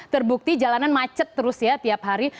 terbukti jalanan macet terus ya tiap hari